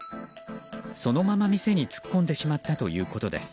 そのまま店に突っ込んでしまったということです。